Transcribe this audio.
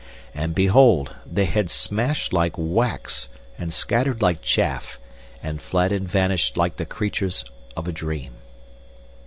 And behold, they had smashed like wax and scattered like chaff, and fled and vanished like the creatures of a dream!